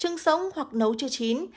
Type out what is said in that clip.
trứng sống hoặc nấu chưa chín